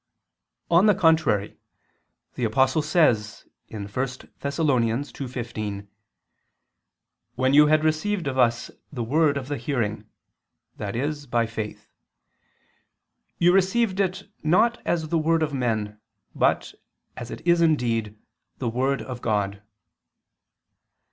On the contrary, The Apostle says (1 Thess. 2:15): "When you had received of us the word of the hearing," i.e. by faith ... "you received it not as the word of men, but, as it is indeed, the word of God."